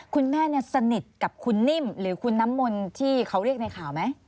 คุณแม่สนิทกับคุณนิ่มหรือคุณน้ำมนต์ที่เขาเรียกในข่าวไหม